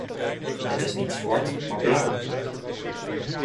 Het is niet zwart maar blauw.